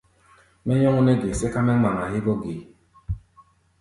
Mɛ́ nyɔ́ŋ nɛ́ ge sɛ́ká mɛ́ ŋmaŋa hégɔ́ ge?